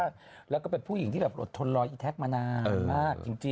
คือผู้หญิงที่แบบรดทนรอไอท็คมานาน